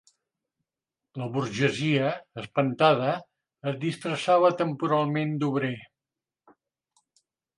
La burgesia, espantada, es disfressava temporalment d'obrer